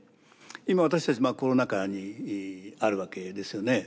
今私たちコロナ禍にあるわけですよね。